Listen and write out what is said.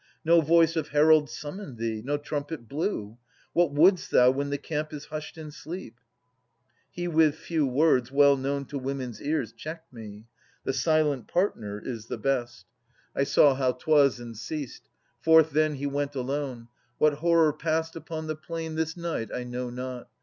No voice Of herald summoned thee. No trumpet blew. What wouldst thou when the camp is hushed in sleep ?' He with few words well known to women's ears Checked me :' The silent partner is the best.' 64 Ams [294 323 I saw how 'twas and ceased. Forth then he went Alone. — What horror passed upon the plain This night, I know not.